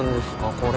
これ。